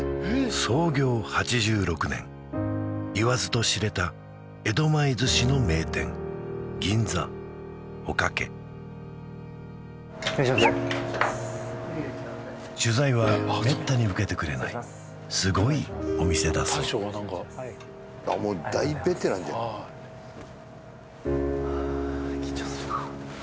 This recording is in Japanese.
創業８６年言わずと知れた江戸前寿司の名店・いらっしゃいませ取材はめったに受けてくれないすごいお店だそうもう大ベテランじゃない緊張するなあ